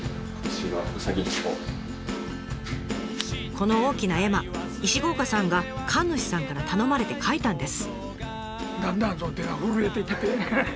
この大きな絵馬石郷岡さんが神主さんから頼まれて描いたんです。